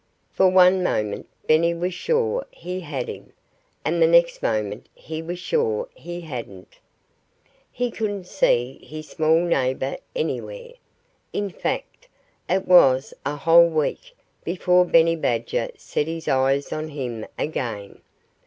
For one moment Benny was sure he had him. And the next moment he was sure he hadn't. He couldn't see his small neighbor anywhere. In fact, it was a whole week before Benny Badger set his eyes on him again.